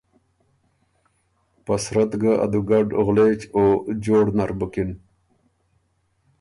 په صورت ګه ا دُوګډ غولېچ او جوړ نر بُکِن۔